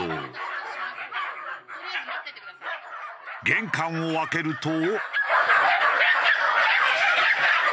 玄関を開けると。